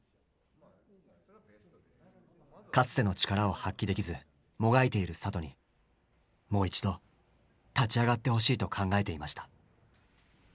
かつての力を発揮できずもがいている里にもう一度立ち上がってほしいと考えていました。